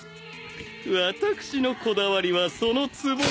私のこだわりはその壺の。